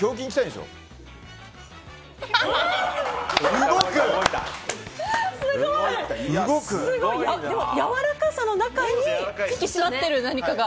でもやわらかさの中に引き締まっている何かが。